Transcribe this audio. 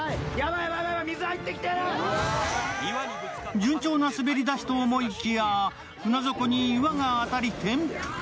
順調な滑り出しと思いきや、船底に岩が当たり転覆。